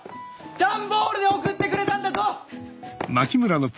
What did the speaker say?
段ボールで送ってくれたんだぞ！